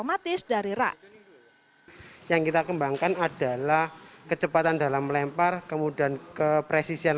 otomatis dari rak yang kita kembangkan adalah kecepatan dalam melempar kemudian kepresisisian